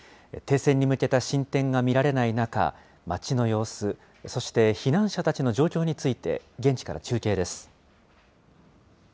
停戦に向けた進展が見られない中、町の様子、そして避難者たちの状況について現地から中継です。